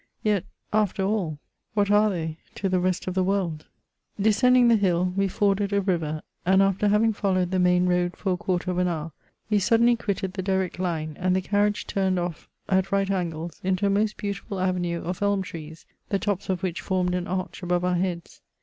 Yet, after all, what are they to the rest of the world ? Descending the hill, we forded a river ; and, after having followed the main road for a quarter of an hour, we suddenly quitted the direct line, and the carriage turned off at right angles into a most beautiful avenue of elm trees, the tops of which formed an arch above our heads.